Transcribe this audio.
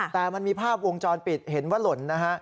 แต่มันมีภาพวงจรปิดเห็นว่าหล่นนะฮะ